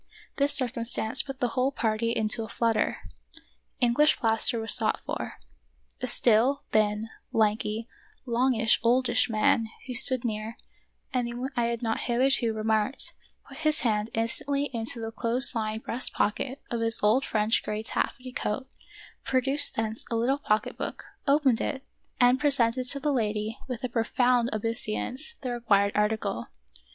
This circumstance put the whole party into a flutter. English plaster was sought for. A still, thin, lanky, longish, oldish man who stood near, and whom I had not hitherto remarked, put of Peter SchlemihL 5 his hand instantly into the close lying breast pocket of his old French gray taffety coat, pro duced thence a little pocketbook, opened it, and presented to the lady, with a profound obeisance, the required article.